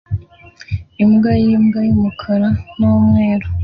Imbwa y'imbwa y'umukara n'umweru